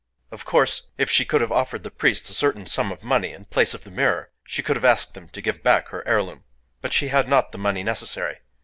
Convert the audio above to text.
Of course, if she could have offered the priests a certain sum of money in place of the mirror, she could have asked them to give back her heirloom. But she had not the money necessary.